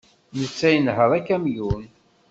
Netta inehheṛ akamyun.